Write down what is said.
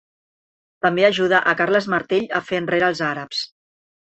També ajudà a Carles Martell a fer enrere els àrabs.